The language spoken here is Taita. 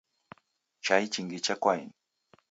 Chai chingi chekwaeni?